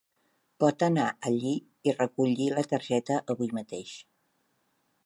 Pot anar allí i recollir la targeta avui mateix.